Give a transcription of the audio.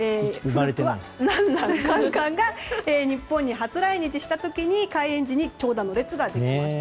ランラン、カンカンが日本に初来日した時に開園時に長蛇の列ができました。